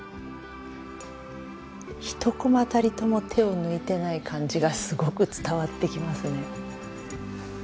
１コマたりとも手を抜いてない感じがすごく伝わってきますね。